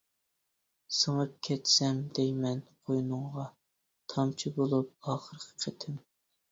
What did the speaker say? سىڭىپ كەتسەم دەيمەن قوينۇڭغا، تامچەڭ بولۇپ ئاخىرقى قېتىم.